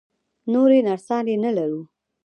نورې نرسانې نه لرو؟